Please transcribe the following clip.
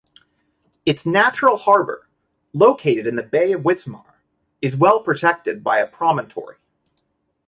Its natural harbour, located in the Bay of Wismar, is well-protected by a promontory.